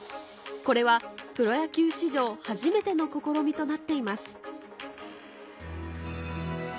これはプロ野球史上初めての試みとなっています